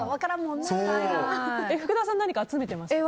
福田さん何か集めてましたか？